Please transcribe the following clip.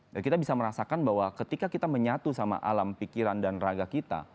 dan kita bisa merasakan bahwa ketika kita menyatu sama alam pikiran dan raga kita